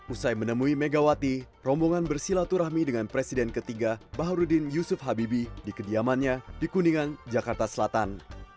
usai menemui megawati rombongan bersilaturahmi dengan presiden ketiga baharudin yusuf habibi di kediamannya di kuningan jakarta selatan